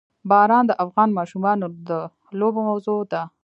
باران د افغان ماشومانو د لوبو موضوع ده.